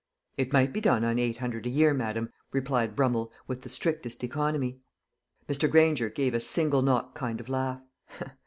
"'It might be done on eight hundred a year, madam,' replied Brummel, 'with the strictest economy.'" Mr. Granger gave a single knock kind of laugh.